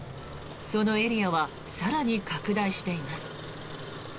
そのエリアは更に拡大しています。